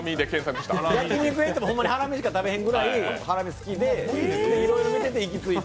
焼き肉屋行ってもハラミしか食べへんくらい好きでいろいろ見てて行き着いた。